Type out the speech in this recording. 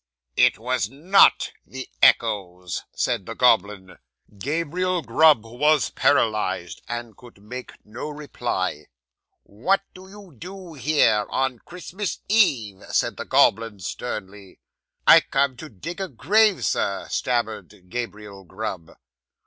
'"It was _not _the echoes," said the goblin. 'Gabriel Grub was paralysed, and could make no reply. '"What do you do here on Christmas Eve?" said the goblin sternly. '"I came to dig a grave, Sir," stammered Gabriel Grub.